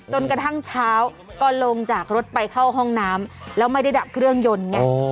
จนกระทั่งเช้าก็ลงจากรถไปเข้าห้องน้ำแล้วไม่ได้ดับเครื่องยนต์ไง